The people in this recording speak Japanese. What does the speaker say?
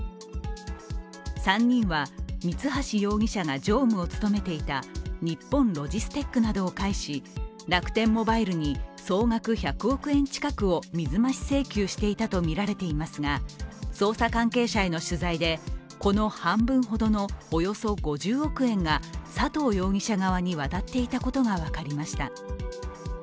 ３人は、三橋容疑者が常務を務めていた日本ロジステックなどを介し楽天モバイルに総額１００億円近くを水増し請求していたとみられていますが捜査関係者への取材で、この半分ほどのおよそ５０億円が佐藤容疑者側に渡っていたことが分かりました。